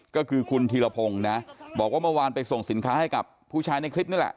ก็คือคุณธีรพงศ์นะบอกว่าเมื่อวานไปส่งสินค้าให้กับผู้ชายในคลิปนี่แหละ